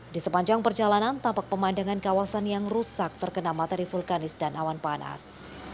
di sepanjang perjalanan tampak pemandangan kawasan yang rusak terkena materi vulkanis dan awan panas